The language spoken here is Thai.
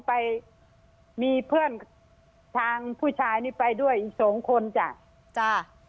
ไปมีเพื่อนทางผู้ชายนี่ไปด้วยอีกสองคนจ้ะจ้ะ